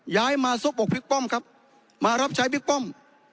ย้ายมาซบอกบิ๊กป้อมครับมารับใช้บิ๊กป้อม